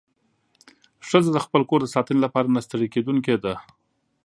ښځه د خپل کور د ساتنې لپاره نه ستړې کېدونکې ده.